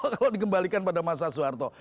kalau dikembalikan pada masa soeharto